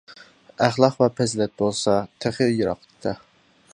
ئەخلاق ۋە پەزىلەت بولسا تېخى يىراقتا.